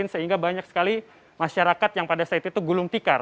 sehingga banyak sekali masyarakat yang pada saat itu gulung tikar